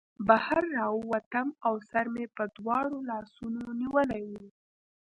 بهر راووتم او سر مې په دواړو لاسونو نیولی و